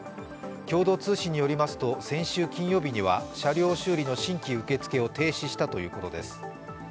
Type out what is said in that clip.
共同通信によりますと、先週金曜日には車両の修理の新規受付を停止したということです。